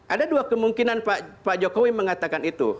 ada dua kemungkinan pak jokowi mengatakan itu